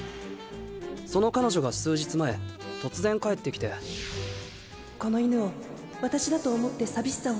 その彼女が数日前突然帰ってきて「この犬を私だと思って寂しさを紛らわせてっ。